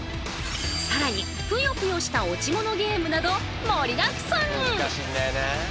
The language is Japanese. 更にぷよぷよした落ちものゲームなど盛りだくさん！